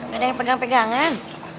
ada yang pegang pegangan